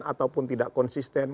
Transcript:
ataupun tidak konsisten